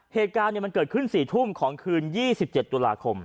เหตุการณ์มันเกิดขึ้น๔ทุ่มของคืน๒๗ตุลาคม